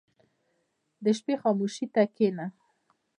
• د شپې خاموشي ته کښېنه.